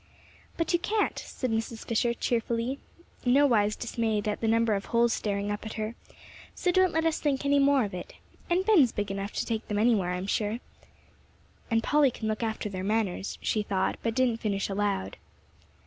"But you can't," said Mrs. Fisher, cheerfully, nowise dismayed at the number of holes staring up at her, "so don't let us think any more of it. And Ben's big enough to take them anywhere, I'm sure. And Polly can look after their manners," she thought, but didn't finish aloud.